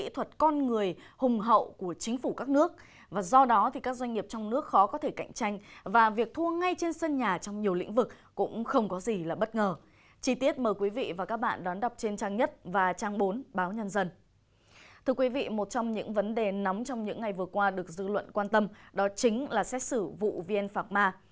thưa quý vị một trong những vấn đề nóng trong những ngày vừa qua được dư luận quan tâm đó chính là xét xử vụ vn phạc ma